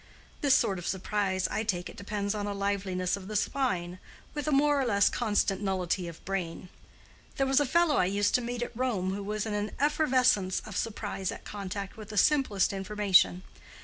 This sort of surprise, I take it, depends on a liveliness of the spine, with a more or less constant nullity of brain. There was a fellow I used to meet at Rome who was in an effervescence of surprise at contact with the simplest information.